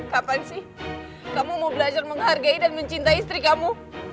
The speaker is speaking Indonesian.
kapan sih kamu mau belajar menghargai dan mencintai istri kamu